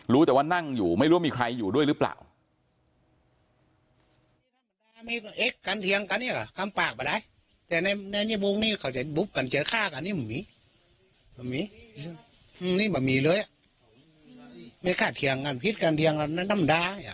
รู้แต่ว่านั่งอยู่ไม่รู้ว่ามีใครอยู่ด้วยหรือเปล่า